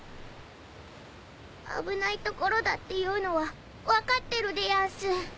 危ない所だっていうのは分かってるでやんす。